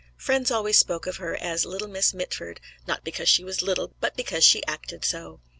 Friends always spoke of her as "Little Miss Mitford," not because she was little, but because she acted so.